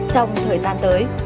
trong năm hai nghìn hai mươi bốn